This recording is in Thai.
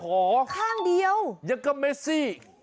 แล้วข้างเดียวยังก็เมซี่